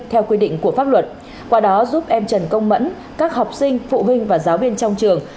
theo quy định của pháp luật qua đó giúp em trần công mẫn các học sinh phụ huynh và giáo viên trong trường